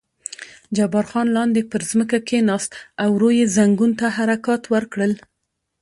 جبار خان لاندې پر ځمکه کېناست او ورو یې زنګون ته حرکات ورکړل.